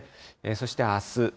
そしてあす。